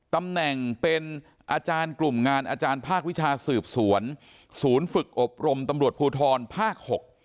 ตำแหน่งเป็นอาจารย์กลุ่มงานอาจารย์ภาควิชาสืบสวนศูนย์ฝึกอบรมตำรวจภูทรภาค๖